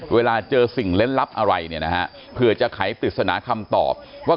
เวลาเจอสิ่งเล่นลับอะไรเนี่ยนะฮะเผื่อจะไขปริศนาคำตอบว่า